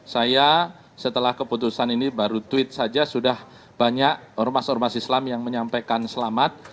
saya setelah keputusan ini baru tweet saja sudah banyak ormas ormas islam yang menyampaikan selamat